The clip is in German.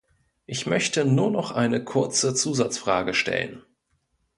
Ich möchte nur noch eine kurze Zusatzfrage stellen.